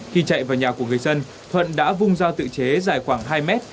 khi chạy vào nhà của người dân thuận đã vung dao tự chế dài khoảng hai mét